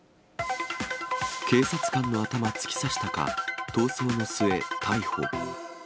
警察官の頭突き刺したか、逃走の末、逮捕。